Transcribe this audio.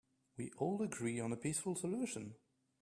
We all agree on a peaceful solution.